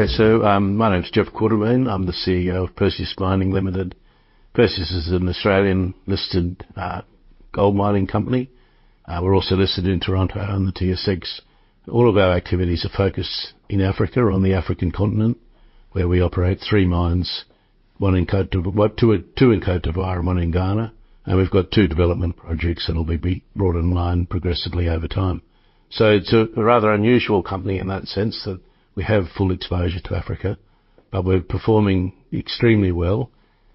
Okay, so my name's Jeff Quartermaine. I'm the CEO of Perseus Mining Limited. Perseus is an Australian listed gold mining company. We're also listed in Toronto on the TSX. All of our activities are focused in Africa on the African continent, where we operate three mines, one in Côte d'Ivoire and one in Ghana. And we've got two development projects that will be brought online progressively over time. So it's a rather unusual company in that sense that we have full exposure to Africa, but we're performing extremely well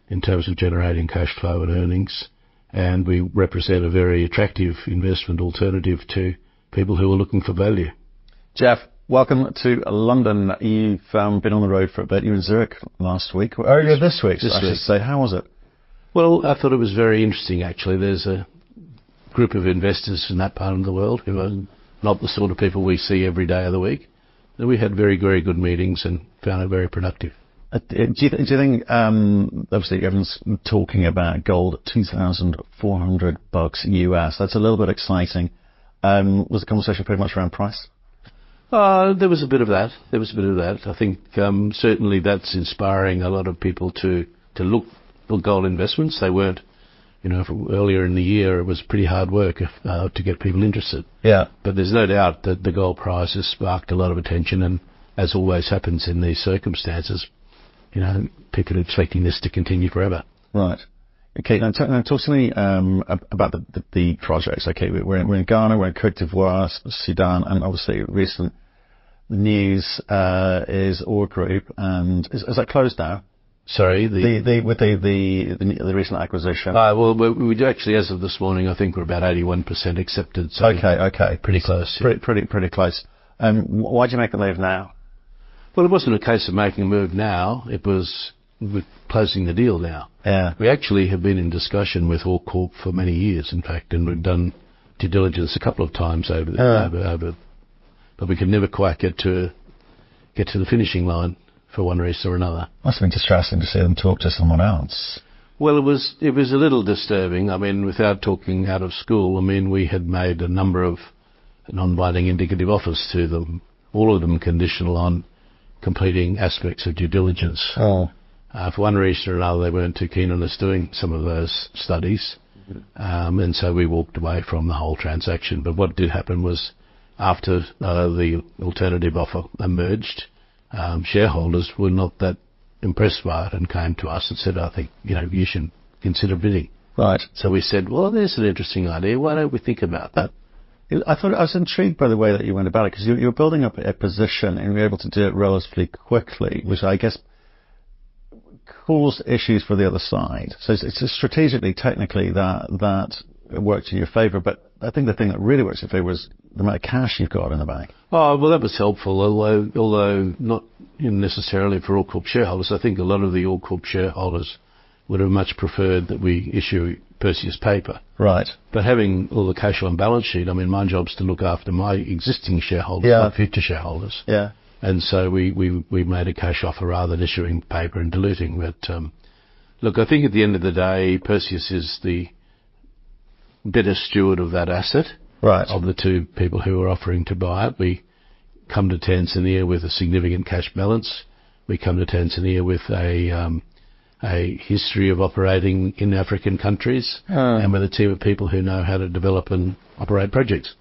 in terms of generating cash flow and earnings. And we represent a very attractive investment alternative to people who are looking for value. Jeff, welcome to London. You've been on the road for a bit. You were in Zurich last week. Oh, you were this week, I should say. How was it? Well, I thought it was very interesting, actually. There's a group of investors in that part of the world who are not the sort of people we see every day of the week. We had very, very good meetings and found it very productive. Do you think obviously everyone's talking about gold at $2,400 US? That's a little bit exciting. Was the conversation pretty much around price? There was a bit of that. There was a bit of that. I think certainly that's inspiring a lot of people to to look for gold investments. They weren't. You know, earlier in the year it was pretty hard work to get people interested. Yeah, but there's no doubt that the gold price has sparked a lot of attention. And as always happens in these circumstances, you know, people are expecting this to continue forever. Right. Okay. Now talk to me about the projects. Okay. We're in Ghana, we're in Côte d'Ivoire, Sudan, and obviously recent news is OreCorp. And is that closed now? Sorry? With the recent acquisition. Well, we do actually, as of this morning, I think we're about 81% accepted. Okay. Okay. Pretty close. Pretty, pretty, pretty close. And why did you make the move now? Well, it wasn't a case of making a move now. It was closing the deal now. Yeah, we actually have been in discussion with OreCorp for many years, in fact, and we've done due diligence a couple of times over the year, but we could never quite get to the finishing line for one reason or another. Must have been distressing to see them talk to someone else. Well, it was a little disturbing. I mean, without talking out of school, I mean, we had made a number of non-binding indicative offers to them, all of them conditional on completing aspects of due diligence. For one reason or another, they weren't too keen on us doing some of those studies. And so we walked away from the whole transaction. But what did happen was after the alternative offer emerged, shareholders were not that impressed by it and came to us and said, I think, you know, you should consider bidding. So we said, well, there's an interesting idea. Why don't we think about that? I thought I was intrigued by the way that you went about it because you were building up a position and were able to do it relatively quickly, which I guess caused issues for the other side. So it's strategically, technically that that worked in your favor. But I think the thing that really works in favor is the amount of cash you've got in the bank. Well, that was helpful, although not necessarily for OreCorp shareholders. I think a lot of the OreCorp shareholders would have much preferred that we issue Perseus paper. Right. But having all the cash on balance sheet, I mean, my job's to look after my existing shareholders and future shareholders. Yeah. And so we made a cash offer rather than issuing paper and diluting. But look, I think at the end of the day, Perseus is the better steward of that asset of the two people who are offering to buy it. We come to Tanzania with a significant cash balance. We come to Tanzania with a history of operating in African countries and with a team of people who know how to develop and operate projects.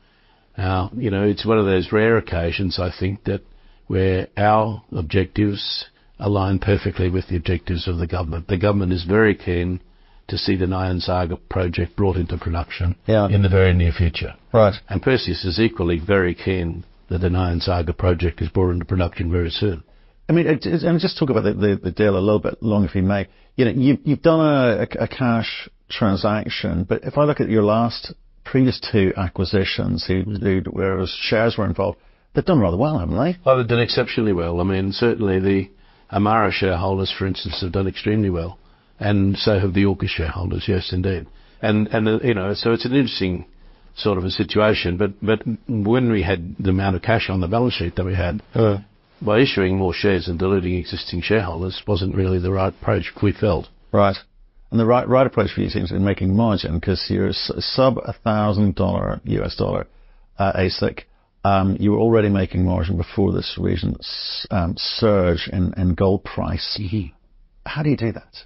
Now, you know, it's one of those rare occasions, I think, that where our objectives align perfectly with the objectives of the government. The government is very keen to see the Nyanzaga project brought into production in the very near future. Perseus is equally very keen that the Nyanzaga project is brought into production very soon. I mean, and just talk about the deal a little bit longer, if you may. You've done a cash transaction, but if I look at your previous two acquisitions, where shares were involved, they've done rather well, haven't they? They've done exceptionally well. I mean, certainly the Amara shareholders, for instance, have done extremely well. And so have the OreCorp shareholders. Yes, indeed. And you know, so it's an interesting sort of a situation. But when we had the amount of cash on the balance sheet that we had by issuing more shares and diluting existing shareholders wasn't really the right approach, we felt. Right. And the right approach for you seems to be making margin because you're sub $1,000 AISC. You were already making margin before this recent surge in gold price. How do you do that?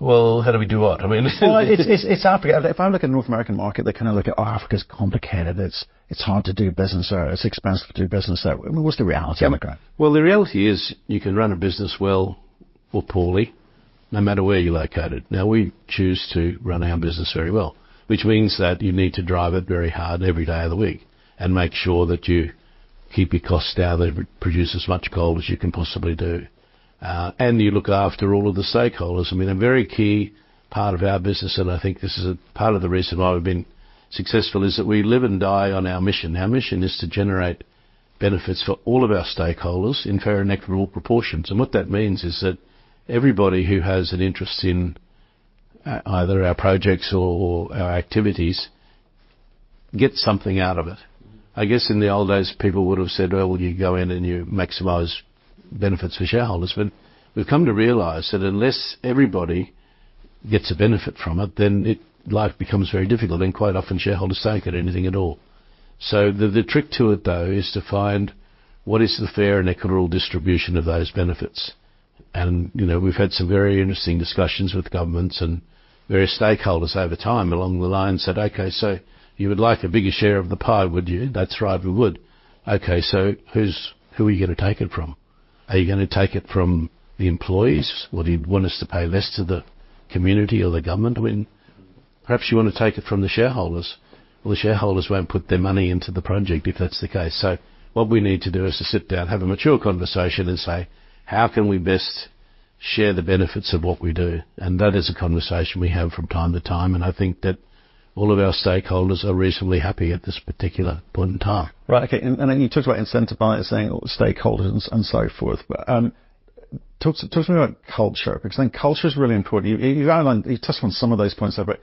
Well, how do we do what? I mean. It's Africa. If I look at the North American market, they kind of look at, oh, Africa's complicated. It's hard to do business there. It's expensive to do business there. What's the reality of that? Well, the reality is you can run a business well or poorly, no matter where you're located. Now, we choose to run our business very well, which means that you need to drive it very hard every day of the week and make sure that you keep your costs down, that it produces as much gold as you can possibly do. You look after all of the stakeholders. I mean, a very key part of our business, and I think this is part of the reason why we've been successful, is that we live and die on our mission. Our mission is to generate benefits for all of our stakeholders in fair and equitable proportions. What that means is that everybody who has an interest in either our projects or our activities gets something out of it. I guess in the old days people would have said, well, you go in and you maximize benefits for shareholders. We've come to realize that unless everybody gets a benefit from it, then life becomes very difficult. Quite often shareholders don't get anything at all. So the trick to it, though, is to find what is the fair and equitable distribution of those benefits. You know we've had some very interesting discussions with governments and various stakeholders over time along the lines that, okay, so you would like a bigger share of the pie, would you? That's right. We would. Okay, so who are you going to take it from? Are you going to take it from the employees? Would you want us to pay less to the community or the government when perhaps you want to take it from the shareholders? Well, the shareholders won't put their money into the project if that's the case. So what we need to do is to sit down, have a mature conversation and say, how can we best share the benefits of what we do? And that is a conversation we have from time to time. And I think that all of our stakeholders are reasonably happy at this particular point in time. Right. Okay. And you talked about incentivizing stakeholders, and so forth. But talk to me about culture because I think culture is really important. You've touched on some of those points there, but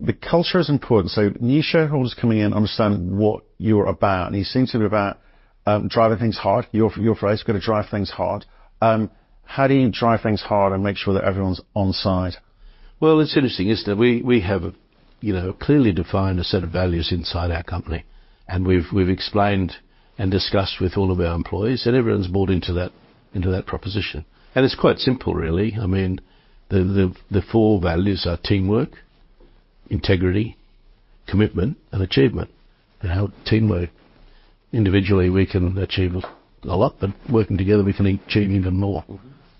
the culture is important. So new shareholders coming in understand what you're about. And you seem to be about driving things hard. Your phrase, you've got to drive things hard. How do you drive things hard and make sure that everyone's on site? Well, it's interesting, isn't it? We have a clearly defined set of values inside our company. And we've explained and discussed with all of our employees that everyone's bought into that proposition. It's quite simple, really. I mean, the four values are teamwork, integrity, commitment, and achievement. Teamwork. Individually we can achieve a lot, but working together we can achieve even more.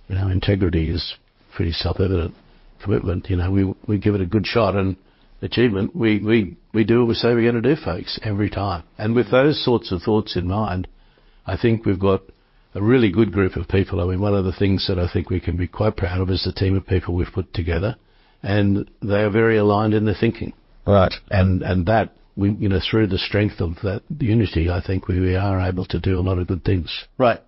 Integrity is pretty self-evident. Commitment, you know, we give it a good shot and achievement. We we do what we say we're going to do, folks, every time. With those sorts of thoughts in mind, I think we've got a really good group of people. I mean, one of the things that I think we can be quite proud of is the team of people we've put together. And they are very aligned in their thinking. And that, you know, through the strength of that unity, I think we are able to do a lot of good things. Right.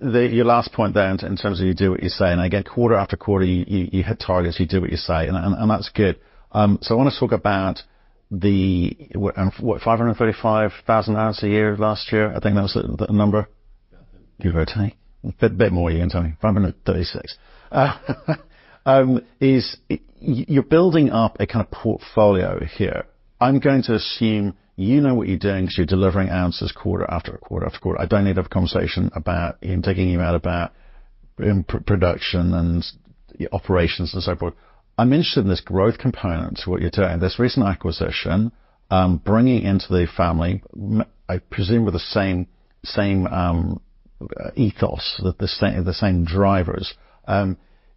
Your last point there, in terms of you do what you say, and again, quarter after quarter you hit targets, you do what you say, and that's good. So I want to talk about the 535,000 ounces a year last year. I think that was the number. Give or take. A bit more, you can tell me. 536,000 ounces. You're building up a kind of portfolio here. I'm going to assume you know what you're doing because you're delivering answers quarter after quarter after quarter. I don't need to have a conversation about digging you out about production and operations and so forth. I'm interested in this growth component to what you're doing. This recent acquisition, bringing into the family, I presume with the same, same ethos, the same drivers,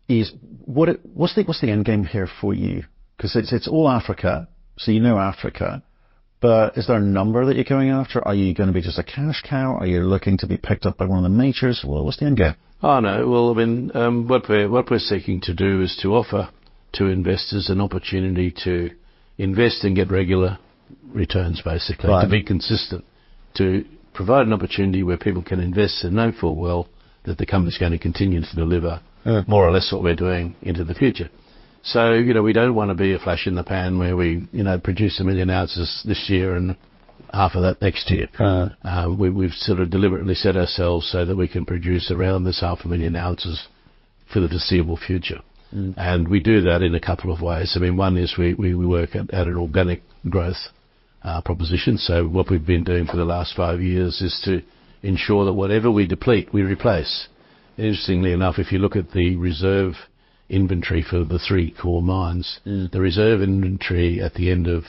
is what's the end game here for you? Because it's all Africa, so you know Africa. But is there a number that you're going after? Are you going to be just a cash cow? Are you looking to be picked up by one of the majors? Well, what's the end game? Oh, no. Well, I mean, what we're seeking to do is to offer two investors an opportunity to invest and get regular returns, basically, to be consistent, to provide an opportunity where people can invest and know full well that the company's going to continue to deliver more or less what we're doing into the future. So, you know, we don't want to be a flash in the pan where we, you know, produce 1 million ounces this year and half of that next year. We've sort of deliberately set ourselves so that we can produce around this 500,000 ounces for the foreseeable future. And we do that in a couple of ways. I mean, one is we work at an organic growth proposition. So what we've been doing for the last five years is to ensure that whatever we deplete, we replace. Interestingly enough, if you look at the reserve inventory for the three core mines, the reserve inventory at the end of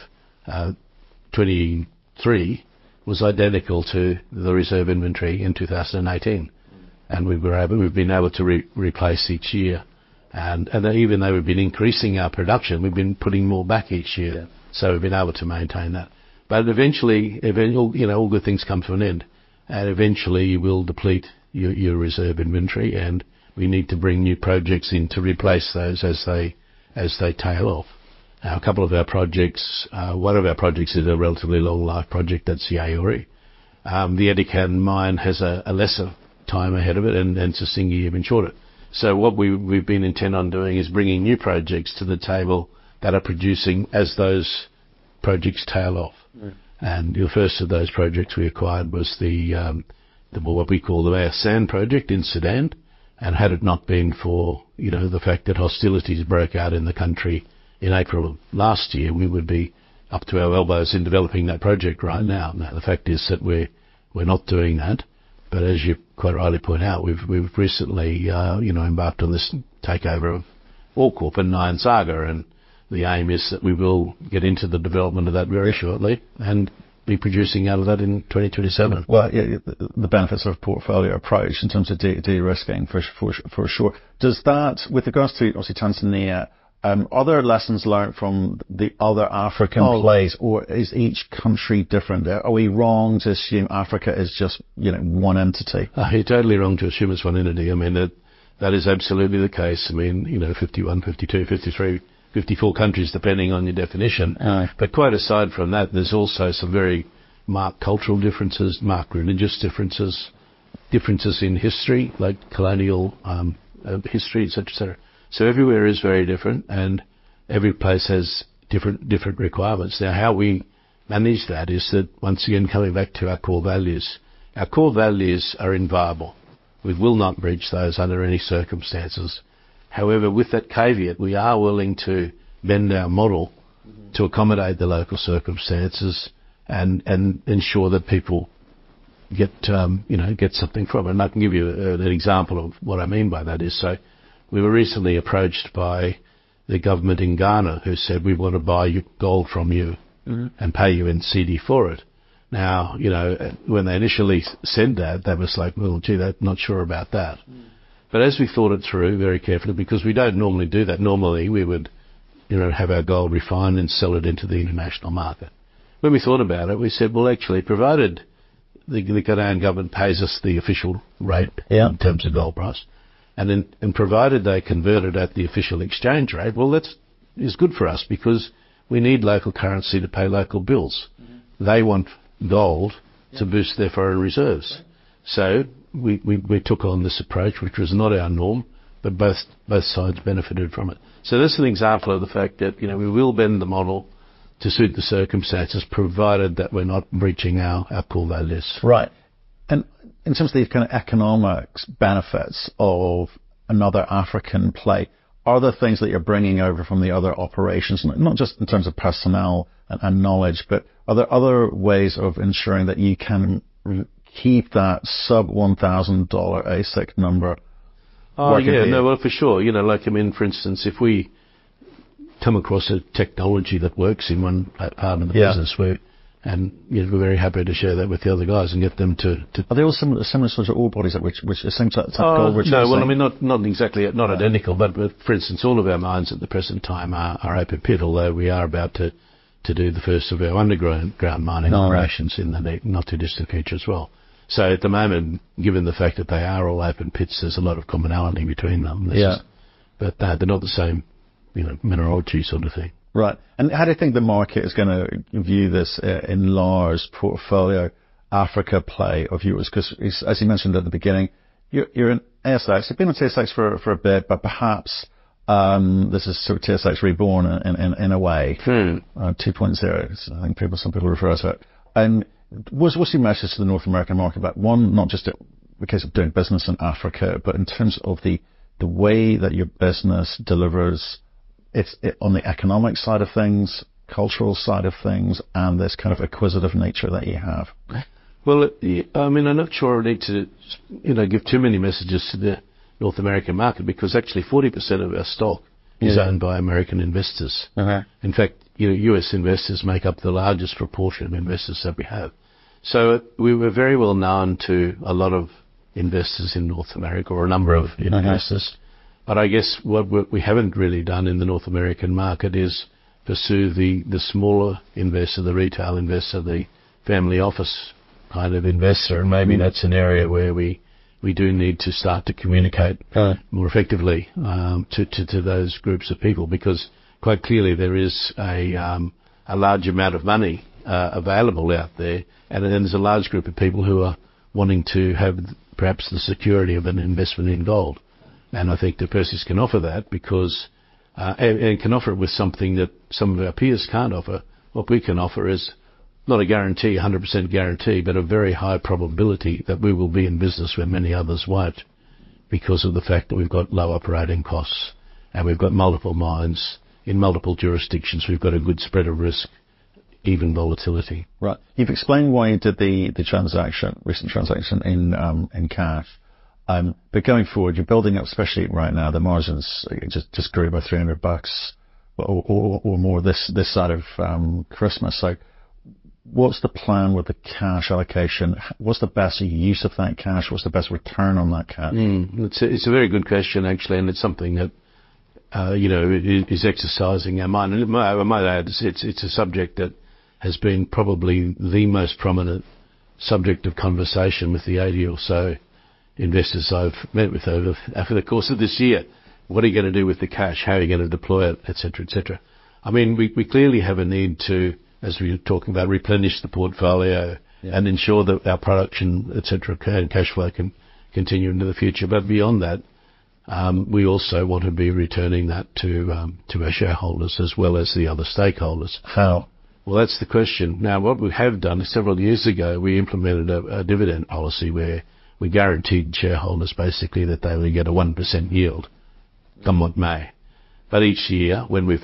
2023 was identical to the reserve inventory in 2018. We've been able to replace each year. And even though we've been increasing our production, we've been putting more back each year. So we've been able to maintain that. But eventually, you know, all good things come to an end. Eventually you will deplete your reserve inventory. And we need to bring new projects in to replace those as they tail off. Now, a couple of our projects, one of our projects is a relatively long life project. That's Yaouré. The Edikan mine has a lesser time ahead of it, and Sissingué have been shorter. So what we've been intent on doing is bringing new projects to the table that are producing as those projects tail off. And the first of those projects we acquired was what we call the Meyas Sand Project in Sudan. Had it not been for, you know, the fact that hostilities broke out in the country in April of last year, we would be up to our elbows in developing that project right now. Now, the fact is that we're, we're not doing that. As you quite rightly point out, we've we've recently, you know, embarked on this takeover of OreCorp and Nyanzaga. And the aim is that we will get into the development of that very shortly and be producing out of that in 2027. Well, yeah, the benefits of a portfolio approach in terms of de-risking for sure. Does that, with regards to obviously Tanzania, are there lessons learned from the other African place, or is each country different? Are we wrong to assume Africa is just, you know, one entity? You're totally wrong to assume it's one entity. I mean, that is absolutely the case. I mean, you know, 51, 52, 53, 54 countries, depending on your definition. But quite aside from that, there's also some very marked cultural differences, marked religious differences, differences in history, like colonial history, etc., etc. So everywhere is very different, and every place has different requirements. Now, how we manage that is that, once again, coming back to our core values, our core values are inviolable. We will not breach those under any circumstances. However, with that caveat, we are willing to bend our model to accommodate the local circumstances and, and ensure that people get, you know, get something from it. And I can give you an example of what I mean by that. So we were recently approached by the government in Ghana who said, "We want to buy gold from you and pay you in cedis for it." Now, you know, when they initially said that, they were like, "Well, gee, they're not sure about that." But as we thought it through very carefully, because we don't normally do that, normally we would, you know, have our gold refined and sell it into the international market. When we thought about it, we said, "Well, actually, provided the Ghanaian government pays us the official rate in terms of gold price, and provided they convert it at the official exchange rate, well, that is good for us because we need local currency to pay local bills." They want gold to boost their foreign reserves. So we took on this approach, which was not our norm, but both sides benefited from it. So that's an example of the fact that, you know, we will bend the model to suit the circumstances, provided that we're not breaching our core values. Right. In terms of these kind of economic benefits of another African play, are there things that you're bringing over from the other operations, not just in terms of personnel and knowledge, but are there other ways of ensuring that you can keep that sub-$1,000 AISC number working? Yeah. No, well, for sure. You know, like, I mean, for instance, if we come across a technology that works in one part of the business, and we're very happy to share that with the other guys and get them to. Are there similar sorts of ore bodies at which it seems like it's not gold? No. Well, I mean, not exactly identical. But for instance, all of our mines at the present time are open pit, although we are about to do the first of our underground mining operations in the not too distant future as well. So at the moment, given the fact that they are all open pits, there's a lot of commonality between them. But they're not the same mineralogy sort of thing. Right. And how do you think the market is going to view this enlarged portfolio Africa play of yours? Because, as you mentioned at the beginning, you're in ASX. You've been on TSX for a bit, but perhaps this is sort of TSX reborn in a way, 2.0, I think some people refer to it. And what's your message to the North American market? One, not just in the case of doing business in Africa, but in terms of the way that your business delivers on the economic side of things, cultural side of things, and this kind of acquisitive nature that you have. Well, I mean, I'm not sure I need to give too many messages to the North American market because actually 40% of our stock is owned by American investors. In fact, US investors make up the largest proportion of investors that we have. So we were very well known to a lot of investors in North America, or a number of investors. But I guess what we haven't really done in the North American market is pursue the smaller investor, the retail investor, the family office kind of investor. And maybe that's an area where we, we do need to start to communicate more effectively to those groups of people. Because quite clearly there is a large amount of money available out there. And then there's a large group of people who are wanting to have perhaps the security of an investment in gold. And I think that Perseus can offer that because, and can offer it with something that some of our peers can't offer. What we can offer is not a guarantee, 100% guarantee, but a very high probability that we will be in business where many others won't because of the fact that we've got low operating costs and we've got multiple mines in multiple jurisdictions. We've got a good spread of risk, even volatility. Right. You've explained why you did the transaction, recent transaction in, in cash. But going forward, you're building up, especially right now, the margins just grew by $300 or more this side of Christmas. So what's the plan with the cash allocation? What's the best use of that cash? What's the best return on that cash? It's a very good question, actually. It's something that, you know, is exercising our mind. I might add, it's a subject that has been probably the most prominent subject of conversation with the 80 or so investors I've met with over the course of this year. What are you going to do with the cash? How are you going to deploy it, etc., etc.? I mean, we clearly have a need to, as we were talking about, replenish the portfolio and ensure that our production, etc., and cash flow can continue into the future. But beyond that, we also want to be returning that to, to our shareholders as well as the other stakeholders. How? Well, that's the question. Now, what we have done is several years ago, we implemented a dividend policy where we guaranteed shareholders basically that they would get a 1% yield come what may. But each year, when we've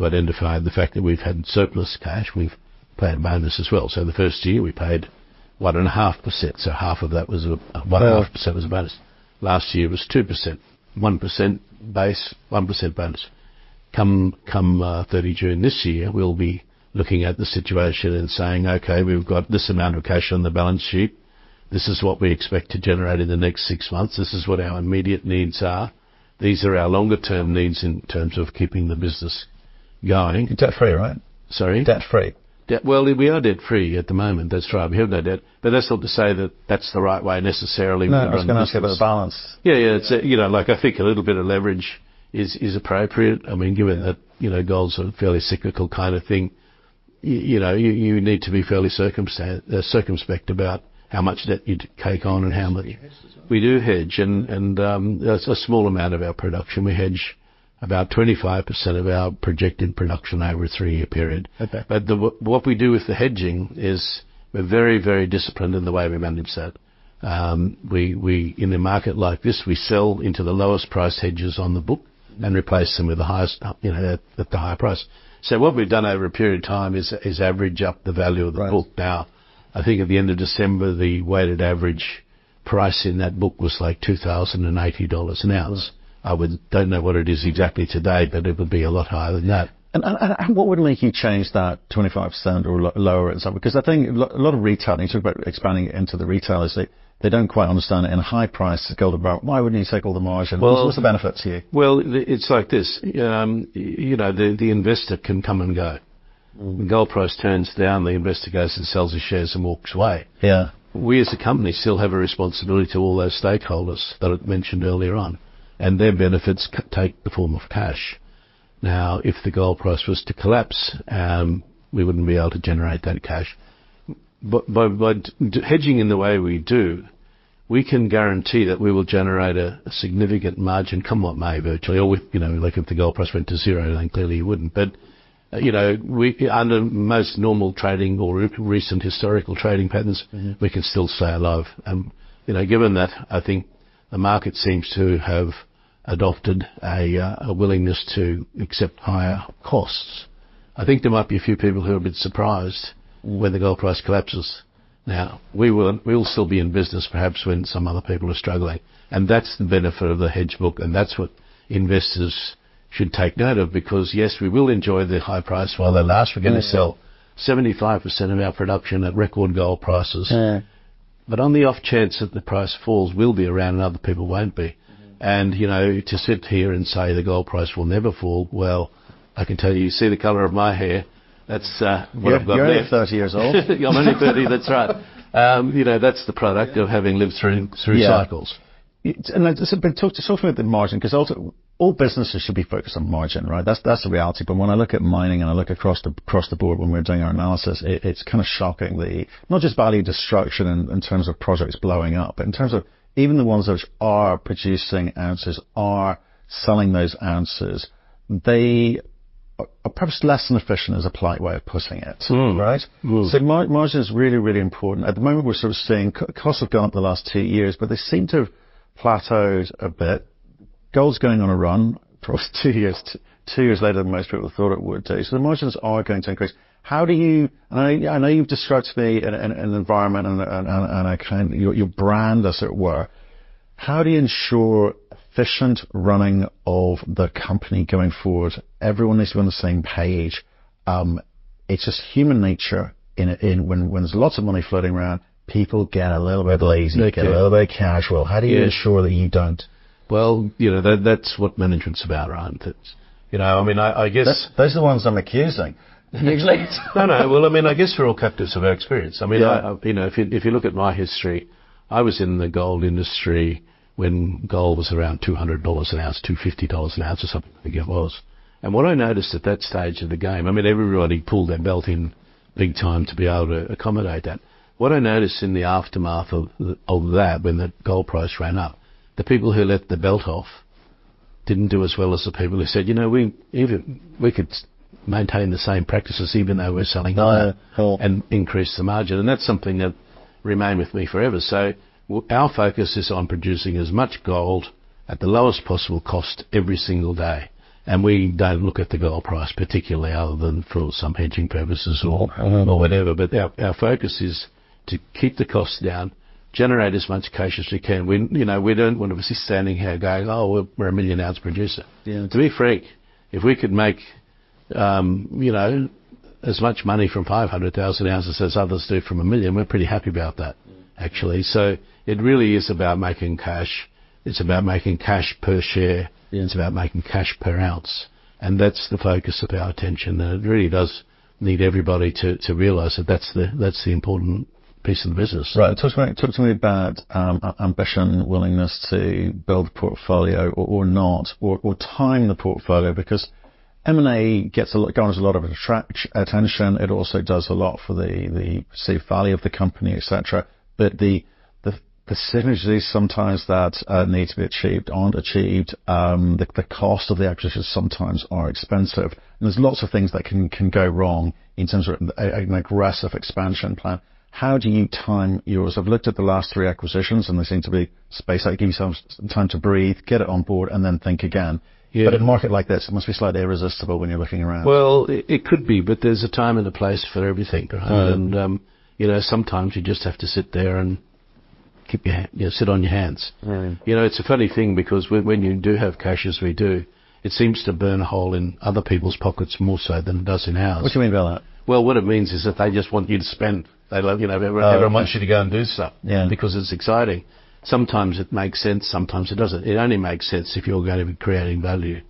identified the fact that we've had surplus cash, we've paid a bonus as well. So the first year we paid 1.5%. So half of that was a 1.5% was a bonus. Last year was 2%, 1% base, 1% bonus. Come come 30 June this year, we'll be looking at the situation and saying, okay, we've got this amount of cash on the balance sheet. This is what we expect to generate in the next six months. This is what our immediate needs are. These are our longer term needs in terms of keeping the business going. Debt free, right? Sorry? Debt free. Well, we are debt free at the moment. That's right. We have no debt. But that's not to say that that's the right way necessarily. I was going to ask you about the balance. Yeah, yeah. You know, like I think a little bit of leverage is appropriate. I mean, given that, you know, gold's a fairly cyclical kind of thing, you know, you need to be fairly circumspect about how much debt you take on and how much. We do hedge, and that's a small amount of our production. We hedge about 25% of our projected production over a three-year period. But what we do with the hedging is we're very, very disciplined in the way we manage that. We, we, in a market like this, we sell into the lowest price hedges on the book and replace them with the highest, you know, at the higher price. So what we've done over a period of time is average up the value of the book. Now, I think at the end of December, the weighted average price in that book was like $2,080 an ounce. I don't know what it is exactly today, but it would be a lot higher than that. What would make you change that 25% or lower and stuff? Because I think a lot of retail, you talk about expanding it into the retailers, they don't quite understand it in high price gold. Why wouldn't you take all the margin? What's the benefit to you? Well, it's like this. You know, the investor can come and go. When gold price turns down, the investor goes and sells his shares and walks away. Yeah, we as a company still have a responsibility to all those stakeholders that I mentioned earlier on, and their benefits take the form of cash. Now, if the gold price was to collapse, we wouldn't be able to generate that cash. But by hedging in the way we do, we can guarantee that we will generate a significant margin, come what may, virtually. Or, you know, like if the gold price went to zero, then clearly you wouldn't. But, you know, under most normal trading or recent historical trading patterns, we can still stay alive. And, you know, given that, I think the market seems to have adopted a willingness to accept higher costs. I think there might be a few people who are a bit surprised when the gold price collapses. Now, we will still be in business, perhaps when some other people are struggling. And that's the benefit of the hedge book. And that's what investors should take note of. Because yes, we will enjoy the high price while they last. We're going to sell 75% of our production at record gold prices. But on the off chance that the price falls, we'll be around and other people won't be. And, you know, to sit here and say the gold price will never fall, well, I can tell you, you see the color of my hair? That's what I've got there. You're only 30 years old. I'm only 30. That's right. You know, that's the product of having lived through cycles. Talk to me about the margin, because all businesses should be focused on margin, right? That's the reality. But when I look at mining and I look across the board when we're doing our analysis, it's kind of shocking, not just value destruction in terms of projects blowing up, but in terms of even the ones which are producing ounces, are selling those ounces, they are perhaps less than efficient as a polite way of putting it, right? So margin is really, really important. At the moment, we're sort of seeing costs have gone up the last two years, but they seem to have plateaued a bit. Gold's going on a run for almost two years, two years later than most people thought it would do. So the margins are going to increase. How do you, and I know you've described to me an environment and a kind of your brand, as it were, how do you ensure efficient running of the company going forward? Everyone needs to be on the same page. It's just human nature. And when there's lots of money floating around, people get a little bit lazy, get a little bit casual. How do you ensure that you don't? Well, you know, that's what management's about, right? You know, I mean, I guess. Those are the ones I'm accusing. No, no. Well, I mean, I guess we're all captives of our experience. I mean, you know, if you look at my history, I was in the gold industry when gold was around $200 an ounce, $250 an ounce or something like that it was. And what I noticed at that stage of the game, I mean, everybody pulled their belt in big time to be able to accommodate that. What I noticed in the aftermath of that, when the gold price ran up, the people who let their belt off didn't do as well as the people who said, you know, we could maintain the same practices even though we're selling more and increase the margin. And that's something that remained with me forever. So our focus is on producing as much gold at the lowest possible cost every single day. And we don't look at the gold price particularly other than for some hedging purposes or whatever. But our focus is to keep the costs down, generate as much cash as we can. You know, we don't want to be sitting there going, oh, we're a 1 million ounce producer. To be frank, if we could make, you know, as much money from 500,000 ounces as others do from 1 million, we're pretty happy about that, actually. So it really is about making cash. It's about making cash per share. It's about making cash per ounce. And that's the focus of our attention. And it really does need everybody to realize that that's the important piece of the business. Right. Talk to me about ambition, willingness to build a portfolio or not, or time the portfolio, because M&A gets a lot of attention. It also does a lot for the perceived value of the company, etc. But the, the synergies sometimes that need to be achieved aren't achieved. The cost of the acquisitions sometimes are expensive. And there's lots of things that can go wrong in terms of an aggressive expansion plan. How do you time yours? I've looked at the last three acquisitions and they seem to be spaced. Give yourself some time to breathe, get it on board, and then think again. But in a market like this, it must be slightly irresistible when you're looking around. Well, it could be, but there's a time and a place for everything. And, you know, sometimes you just have to sit there and keep your hands, sit on your hands. You know, it's a funny thing because when you do have cash as we do, it seems to burn a hole in other people's pockets more so than it does in ours. What do you mean by that? Well, what it means is that they just want you to spend. They love, you know. Everyone wants you to go and do stuff because it's exciting. Sometimes it makes sense. Sometimes it doesn't. It only makes sense if you're going to be creating value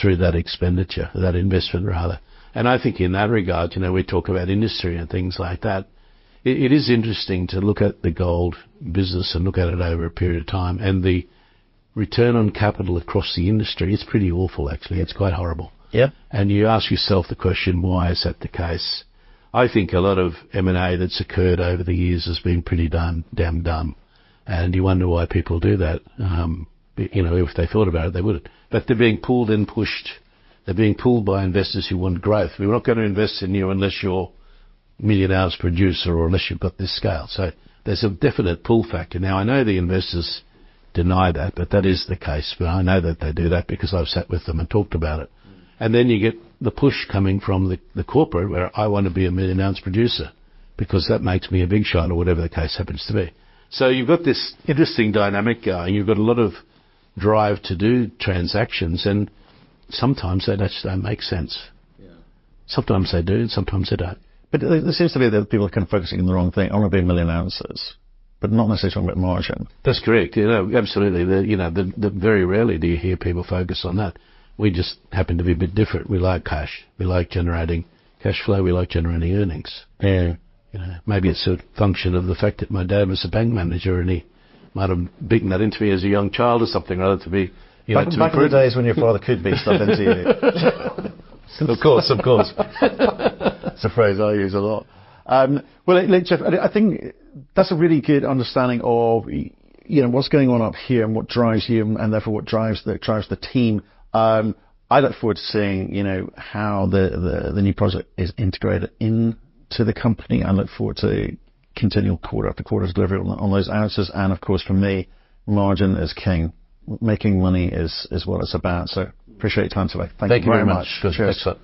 through that expenditure, that investment rather. And I think in that regard, you know, we talk about industry and things like that. It is interesting to look at the gold business and look at it over a period of time. And the return on capital across the industry, it's pretty awful, actually. It's quite horrible. Yeah. And you ask yourself the question, why is that the case? I think a lot of M&A that's occurred over the years has been pretty damn dumb. And you wonder why people do that. You know, if they thought about it, they wouldn't. But they're being pulled and pushed. They're being pulled by investors who want growth. We're not going to invest in you unless you're a 1 million ounce producer or unless you've got this scale. So there's a definite pull factor. Now, I know the investors deny that, but that is the case. But I know that they do that because I've sat with them and talked about it. And then you get the push coming from the corporate where I want to be a million ounce producer because that makes me a big shot or whatever the case happens to be. So you've got this interesting dynamic going. You've got a lot of drive to do transactions. And sometimes they just don't make sense. Yeah, sometimes they do and sometimes they don't. There seems to be that people are kind of focusing on the wrong thing. I want to be 1 million ounces, but not necessarily talking about margin. That's correct. You know, absolutely. You know, very rarely do you hear people focus on that. We just happen to be a bit different. We like cash. We like generating cash flow. We like generating earnings. Yeah, you know, maybe it's a function of the fact that my dad was a bank manager and he might have beaten that into me as a young child or something, rather than to be. Back in the days when your father could beat stuff into you. Of course, of course. It's a phrase I use a lot. Well, I think that's a really good understanding of, you know, what's going on up here and what drives you and therefore what drives the team. I look forward to seeing, you know, how the new product is integrated into the company. I look forward to continual quarter after quarter delivery on those ounces. And of course, for me, margin is king. Making money is what it's about. So appreciate your time today. Thank you very much. Thanks for that.